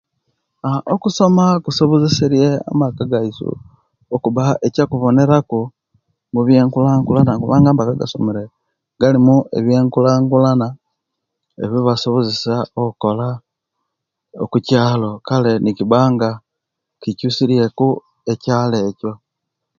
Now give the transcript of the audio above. Aa okusoma kunsobozeseriye amaka gaisu okuba ekyakubonera ku mubyenkulakulana kuba amaka gasomere galimo ebyenkulakulana ebibasobozesa okola okukyalo kale nikiba nga kikyusirye ku ekyalo ekyo